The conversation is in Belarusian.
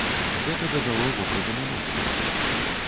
Гэта дадало вобразам эмоцыяў.